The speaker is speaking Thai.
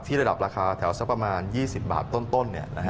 ระดับราคาแถวสักประมาณ๒๐บาทต้น